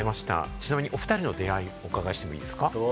ちなみにお２人の出会いをお伺いしていいですか？